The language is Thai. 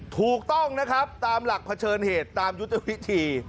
ถูกต้องนะครับตามหลักเผชิญเหตุตามยุทธวิธี